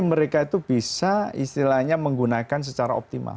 mereka itu bisa istilahnya menggunakan secara optimal